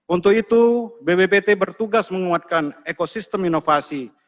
untuk itu bppt bertugas menguatkan ekosistem inovasi